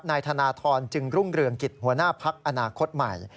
นายธนทรจึงรุ่งเรืองกิจหัวหน้าพักอนาคตใหม่